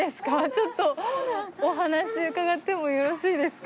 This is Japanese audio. ちょっとお話伺ってもよろしいですか？